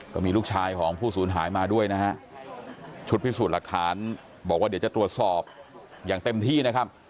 ก็มีลูกชายของผู้สูญหายมาด้วยนะฮะชุดพิสูจน์หลักฐานบอกว่าเดี๋ยวจะตรวจสอบอย่างเต็มที่นะครับ